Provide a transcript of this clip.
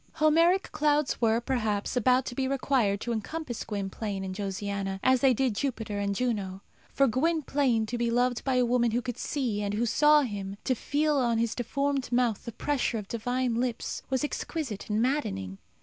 Homeric clouds were, perhaps, about to be required to encompass Gwynplaine and Josiana, as they did Jupiter and Juno. For Gwynplaine to be loved by a woman who could see and who saw him, to feel on his deformed mouth the pressure of divine lips, was exquisite and maddening.